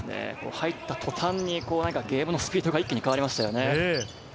入った途端にゲームのスピードが一気に変わりましたね。